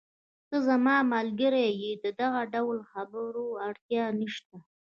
ته زما ملګری یې، د دغه ډول خبرو اړتیا نشته.